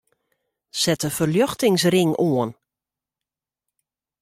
Set de ferljochtingsring oan.